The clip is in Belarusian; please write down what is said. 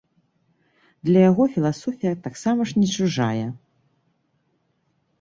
Для яго філасофія таксама ж не чужая.